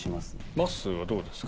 まっすーはどうですか？